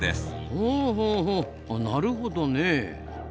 ほうほうほうなるほどね。